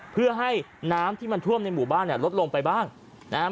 เพื่อให้น้ำที่มันท่วมในหมู่บ้านเนี่ยลดลงไปบ้างนะครับ